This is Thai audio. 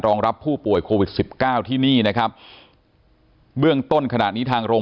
รองรับผู้ป่วยโควิด๑๙ที่นี่นะครับเบื้องต้นขนาดนี้ทางโรง